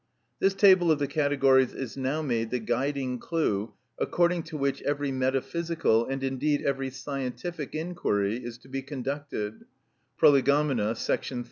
This table of the categories is now made the guiding clue according to which every metaphysical, and indeed every scientific inquiry is to be conducted (Prolegomena, § 39).